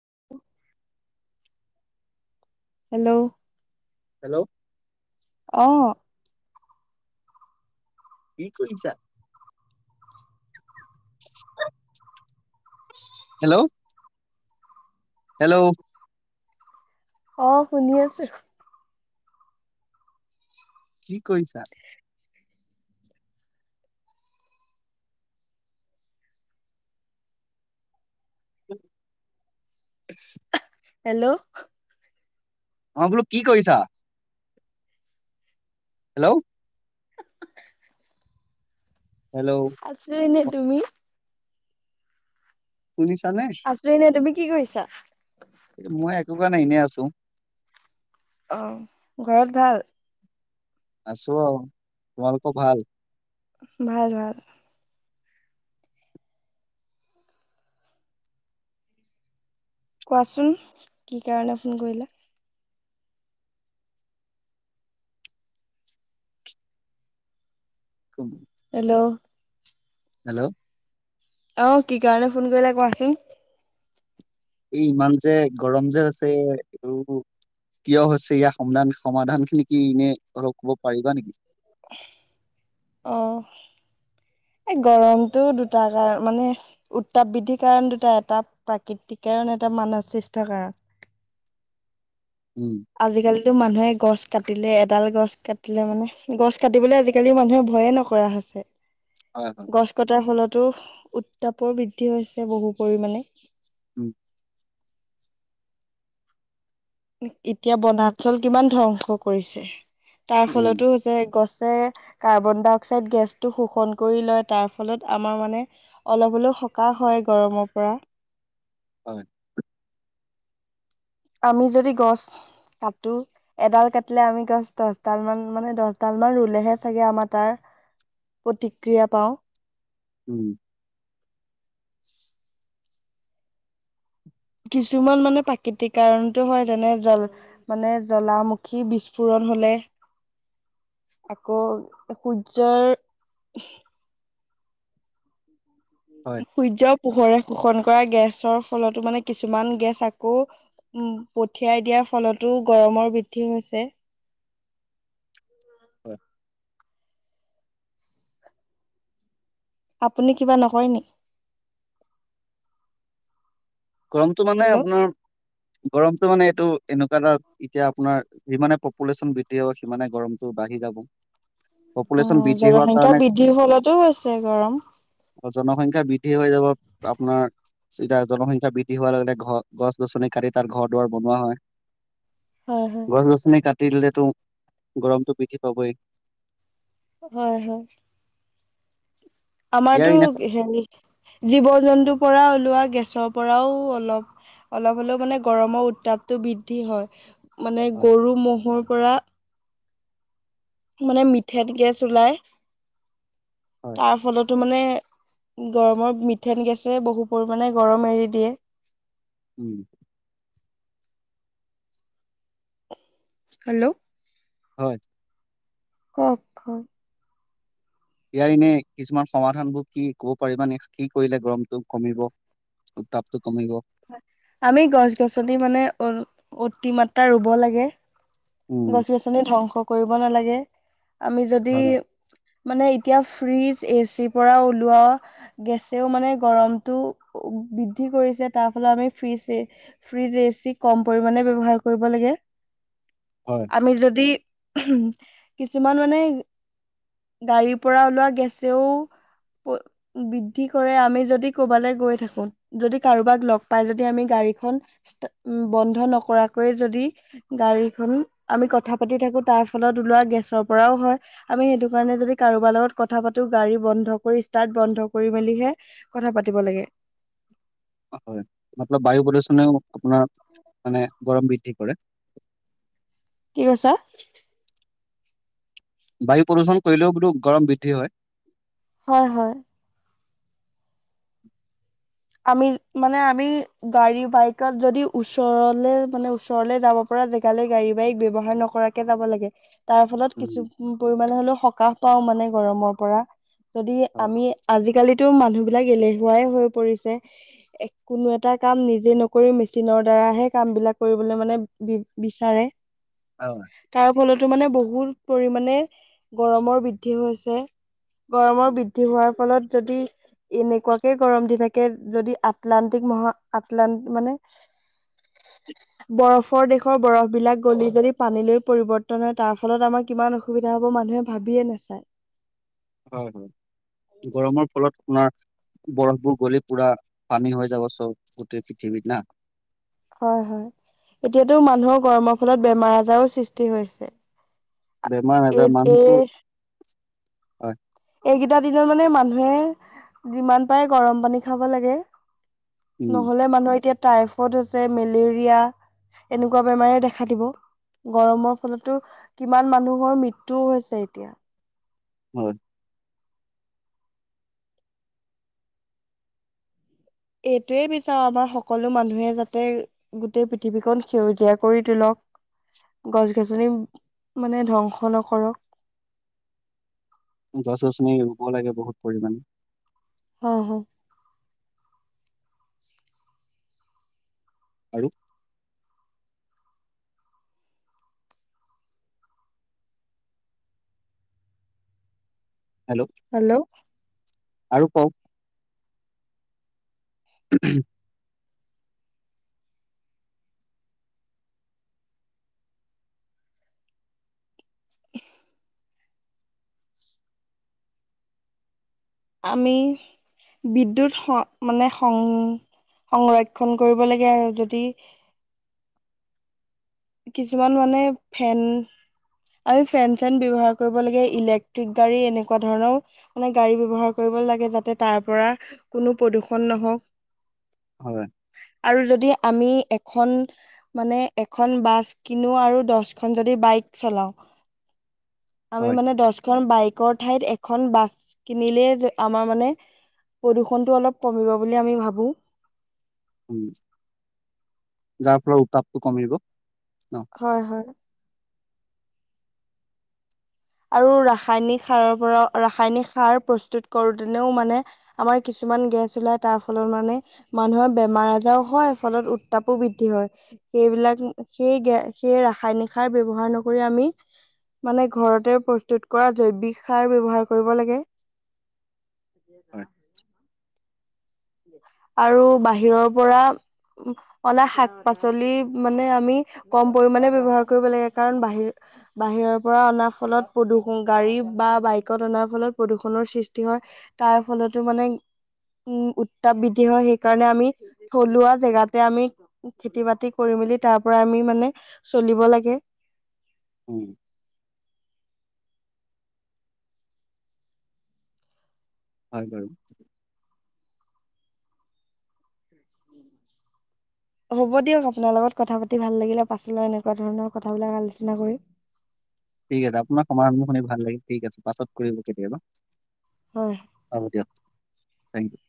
[unintelligible] Hello? Hello? অ, কি কৰিছা? হেল্ল'? হেল্ল'? অহ শুনি আছো। কি কৰিছা? উ [unintelligible] হেল্ল'? অ, বোলো কি কৰিছা? হেল্ল'? হেল্ল' আছো এনেই, তুমি? সুনিছা নে? আছো এনে তুমি কি কৰিছা? এ মই একোবাৰ নাই এনে আছো অ ঘৰত ভাল আছো তোমালোকৰ ভাল ভাল ভাল কোৱাচোন কি কাৰণে ফোন কৰিলা কম হেল্ল' হেল্ল' অহ কি কাৰণে ফোন কৰিলে কোৱাচোন এই ইমান যে গৰম যে আছে আৰু কিয় হৈছে ইয়াৰ সমাধান সমাধান খিনি কি এনে অলপ কব পাৰিবা নেকি অঁ এ গৰমতটো দুটা কাৰণ মানে উত্তাপ বৃদ্ধিৰ কাৰণ দুটা এটা প্ৰাকৃতিক কাৰণ এটা মানৱ সৃষ্ঠ কাৰক উম আজিকালি এইটো মানুহে গছ কাটিলে এডাল গছ কাটিলে মানে গছ কাটিবলে আজিকালি মানুহে ভয়ে নকৰা হৈছে হয় হয় গছ কটাৰ ফলতো উত্তাপৰ বৃদ্ধি হৈছে বহু পৰিণে উম এতিয়া বনাঞ্চল কিমান ধ্বংস কৰিছে তাৰ উম ফলতো হৈছে গছ যে কাৰ্বন ডাই অক্সাইড গেছটো শোষণ কৰি লয় তাৰ ফলত আমাৰ মানে অলপ অলপ থকাহ হয় গৰমৰ পৰা হয় আমি যদি গছ কটোো এডাল কাটিলে আমি গছ দহডাল মান মানে দহডাল মান ৰুলেহে চাগে আমাৰ তাৰ প্ৰতিক্ৰিয়া পাওঁ উম কিছুমান মানে প্ৰাকৃতিক কাৰণতটো হয় যেনে জল মানে জ্বলামুখী বিস্ফোৰণ হলে [unintelligible] আকৌ সূৰ্যৰ হয় সূৰ্য পোহৰে শোষণ কৰা গেছ ফলতো মানে কিছুমান গেছ আকৌ উ পাই দিয়াৰ ফলতো গৰমৰ পঠও আছে হয় আপুনি কিবা নকয় নি গৰমতটো মানে হেল্ল' আপোনাৰ গৰমতটো মানে এইটো এনেকুৱা এটা এতিয়া আপোনাৰ যিমানে পপুলেশ্যন বৃদ্ধি হ'ব সিমানে গৰম বাঢ়ি যাব অ পপুলেশ্যন বৃদ্ধি হোৱাৰ জনসংখ্যা কাৰণে বৃদ্ধিৰ ফলতোও আছে গৰম জনসংখ্যা বৃদ্ধি হৈ যাব আপোনাৰ এতিয়া জনসংখ্যা বৃদ্ধি হোৱাৰ লগে ঘ গছ গছনি কাটি তাত ঘৰ দুৱাৰ বনোৱা হয় হয় হয় গছ গছনি কাট দিলেতো গৰমটো বৃদ্ধি পাবই হয় হয় ইয়াৰ এনে আমাৰতো হেৰি জীৱ জন্তু পৰা ওলোৱা গেছৰ পৰাও অলপ অলপ হ'লেও মানে গৰমৰ উত্তাপটো বৃদ্ধি হয় মানে হয় গৰু ম'হৰ পৰা মানে মিঠত গেছ ওলাই হয় তাৰ ফলতো মানে গৰমৰ মিথেন গেছে বহু পৰিমণে গৰম এৰি দিয়ে উম হেল্ল'। হয়। কোক ইয়াৰ এনে কিছুমান সমাধানবোৰ কি ক'ব পাৰিবানে কি কৰিলে গৰমটো কমিব? তাপটো কমিব? আমি গছ-গছনি মানে অতি মাত্ৰা ৰুব লাগে। উম গছ-গছনি ধ্বংস কৰিব নালাগে, আমি যদি হয় মানে এতিয়া ফ্ৰিজ, এচিৰ পৰা ওলোৱা গেছেও মানে গৰমটো বৃদ্ধি কৰিছে। তাৰ ফলত আমি ফ্ৰিজ-ফ্ৰিজ এচি কম পৰিমানে ব্যৱহাৰ কৰিব লাগে। [inaudible] আমি যদি, কিছুমান মানে গাড়ীৰ পৰা ওলোৱা গেছেও বৃদ্ধি কৰে। আমি যদি কৰবালৈ গৈ থাকো, যদি কাৰোবাক লগ পাই যদি আমি গা গাড়ীখন স্তা- বন্ধ নকৰাকৈয়ে যদি গাড়ীখন আমি কথা পাতি থাকো তাৰ ফলত ওলোৱা গেছৰ পৰাও হয়। আমি সেইটো কাৰণে যদি কাৰোবাৰ লগত কথা পা টো গাড়ী বন্ধ কৰি, ষ্টাৰ্ট বন্ধ কৰি মেলিহে কথা পাতিব লাগে। [inaudible] হয় মতলব বায়ু প্ৰদূষণেও আপোনাৰ মানে গৰম বৃদ্ধি কৰে। [inaudible] কি কৈছা? বায়ু প্ৰদূষণ কৰিলেও বোলো গৰম বৃদ্ধি হয়। হয় হয়। আমি মানে আমি গাড়ী বাইকত যদি ওচৰলে মানে ওচৰলে যাব পৰা জেগালৈ গাড়ী বাইক ব্যৱহাৰ নকৰাকে যাব লাগে। তাৰ ফলত কিছু উম পৰিমমানে হলেও সকাহ পাওঁ মানে গৰমৰ পৰা। যদি হয় আমি, আজিকালিটো মানুহ বিলাক এলেহুৱাই হৈ পৰিছে। কোনো এটা কাম নিজে নকৰি মেচিনৰ দ্বাৰাহে কাম বিলাক কৰিবলে মানে বি বিচাৰে হয় তাৰ ফলতো মানে বহুত পৰিমানমানে গৰমৰ বৃদ্ধি হৈ গৰমৰ উম, বৃদ্ধি হোৱাৰ ফলত যদি এনেকুৱাকে গৰম দি থাকে যদি আটলানটিক মহা আটলানট মানে [inaudible] বৰফৰ দেশৰ বৰফ বিলাক গলি যদি পানীলৈ পৰিবৰ্তন হয়। তাৰ ফলত আমাৰ কিমান অসুবিধা হ'ব মানুহে ভাবিয়ে নাচায়। হয় হয় গৰমৰ ফলত আপোনাৰ বৰফবোৰ গলি পুৰা পানী হৈ যাব চব, গোটেই পৃথিৱীত না। হয় হয় এতিয়াতো মানুহৰ গৰমৰ ফলত বেমাৰ-আজাৰো সৃষ্টি হৈছে। এই বেমাৰ-আজাৰ মানুহটো এই হয়। এইকেইটা দিনত মানে মানুহে যিমান পাৰে গৰম পানী খাব লাগে। উম নহ'লে মানুহৰ এতিয়া টাইফইড হৈছে, মেলেৰিয়া, এনেকুৱা বেমাৰে দেখা দিব। গৰমৰ ফলতো কিমান মানুহৰ মৃত্যও হৈছে এতিয়া। হয়। এইটোৱেই বিচাৰো আমাৰ সকলো মানুহে যাতে গোটেই পৃথিৱীখন সেউজীয়া কৰি তোলক। গছ-গছনি মানে ধ্বংস নকৰক। গছ-গছনি ৰুব লাগে বহুত পৰিমাণে। হ হ। আৰু? হেল্ল'। আৰু কওক? [unintelligible] [unintelligible] আমি বিদ্যুৎ মানে সং সংৰক্ষণ কৰিব লাগে আৰু যদি [unintelligible] কিছুমান মানে ফেন আমি ফেন চেন ব্যৱ্হাৰ কৰিব লাগে ইলেক্ট্ৰিক গাড়ী এনেকুৱা ধৰণৰও মানে গাড়ী ব্যৱহাৰ কৰিব ল যাতে তাৰ পৰা কোনো প্ৰদূষণ নহওক হয় আৰু যদি আমি এখন মানে এ খন বাছ কিনো আৰু দছখন যদি বাইক চলাও আমি হয় মানে দহখন বাইকৰ ঠাইত এখন বাছ কিনিলে আমাৰ মানে প্ৰদূষণতটো অলপ কমিব বুলি আমি ভাবো উম যাৰ ফলৰ উতাপটো কমিব ন হয় হয় আৰু ৰাসায়নিক সাৰৰ পৰা ৰাসায়নিক সাৰ প্ৰস্তুত কৰোতেনেও মানে আমাৰ কিছুমান কিছমান গেছ ওলাই তাৰ ফলত মানে মানুহৰ বেমাৰ আজাৰও হয় ফলত উত্তাপো বৃদ্ধি হয় সেইবিলাক সেই গ সেই ৰাসায়নিক সাৰ ব্য্ৱহাৰ নকৰি আমি মানে ঘৰতে হয় [unintelligible] আৰু বাহিৰৰ পৰা অনা শাক পাচলি মানে আমি কম পৰিমমানে ব্যৱ্হাৰ কৰিব লাগে কাৰণ বাহিৰত বাহিৰৰ পৰা অনা ফলত প্ৰদূষণ গাড়ী বা বাইকত অনাৰ ফলত প্ৰদূষণৰ সৃষ্টি হয় তাৰ ফলতো মানে উম উত্তাপ বৃদ্ধি হয় সেইকাৰণে আমি থলুৱা জেগাতে আমি খেতি বাতি কৰি মেলি তাৰ পৰা আমি মানে চলিব লাগে উম হয় বাৰু [inaudible] হ'ব দিয়ক আপোনাৰ লগত কথা পাতি ভাল লাগিলে পাছলৈ এনেকুৱা ধৰণৰ কথাবিলাক আলোচনা কৰিম ঠিক আছে আপোনাৰ [unintelligible] শুনি ভাল লাগিল ঠিক আছে পাছত কৰিব কেতিয়াবা হয় হ'ব দিয়ক থেংক ইউ